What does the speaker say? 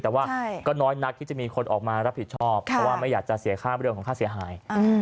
แต่ว่าก็น้อยนักที่จะมีคนออกมารับผิดชอบเพราะว่าไม่อยากจะเสียค่าเรื่องของค่าเสียหาย